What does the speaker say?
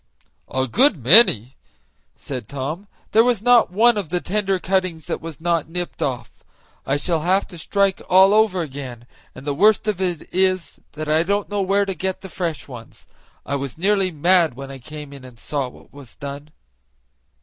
"A good many!" said Tom; "there was not one of the tender cuttings that was not nipped off. I shall have to strike all over again, and the worst of it is that I don't know where to go to get fresh ones. I was nearly mad when I came in and saw what was done."